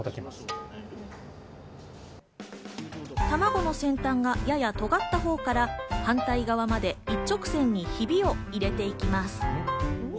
たまごの先端がやや尖ったほうから反対側まで一直線にヒビを入れていきます。